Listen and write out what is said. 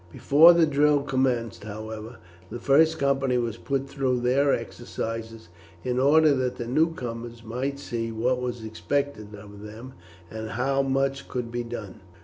Before the drill commenced, however, the first company were put through their exercises in order that the newcomers might see what was expected of them, and how much could be done.